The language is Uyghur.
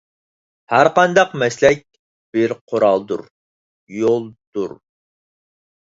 ھەرقانداق مەسلەك بىر قورالدۇر، يولدۇر.